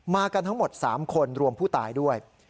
กันทั้งหมด๓คนรวมผู้ตายด้วย